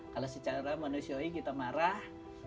kalau secara manusiawi kita marah